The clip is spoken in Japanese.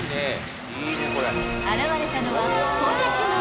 ［現れたのは］